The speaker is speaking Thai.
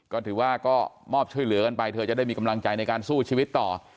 ก็ถือว่าก็มอบช่วยเหลือกันไปเธอจะได้มีกำลังใจในการสู้ชีวิตต่อ